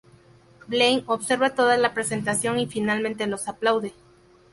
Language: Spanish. Blaine observa toda la presentación y finalmente los aplaude.